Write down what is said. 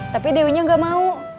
tapi dewinya gak mau